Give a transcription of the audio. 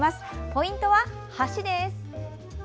ポイントは橋です。